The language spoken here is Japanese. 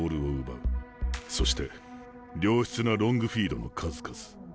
そして良質なロングフィードの数々。